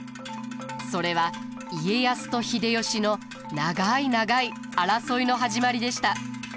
それは家康と秀吉の長い長い争いの始まりでした。